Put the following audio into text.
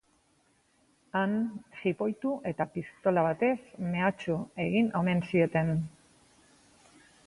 Han, jipoitu eta pistola batez mehatxu egin omen zieten.